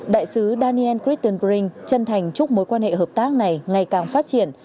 đại sứ daniel christenbring chân thành chúc mối quan hệ hợp tác này ngày càng phát triển